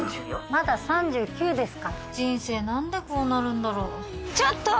まだ３９ですから人生何でこうなるんだろちょっと！